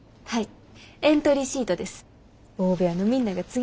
はい。